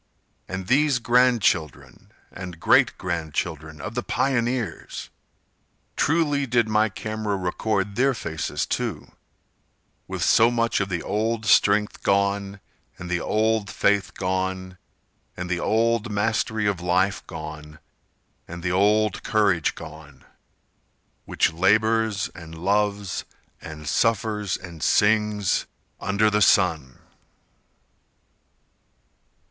And these grand children and great grand children Of the pioneers! Truly did my camera record their faces, too, With so much of the old strength gone, And the old faith gone, And the old mastery of life gone, And the old courage gone, Which labors and loves and suffers and sings Under the sun!